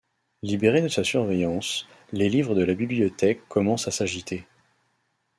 Libérés de sa surveillance, les livres de la bibliothèque commencent à s'agiter.